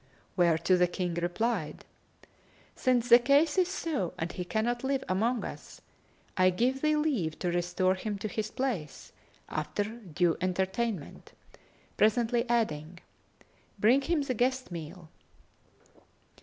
Whereto the King replied, "Since the case is so, and he cannot live among us, I give thee leave to restore him to his place, after due entertainment," presently adding, "Bring him the guest meal."